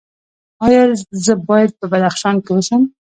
ایا زه باید په بدخشان کې اوسم؟